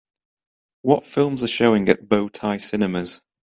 what films are showing at Bow Tie Cinemas